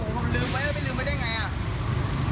ผมลืมไว้ไม่ลืมไว้จะได้อย่างไร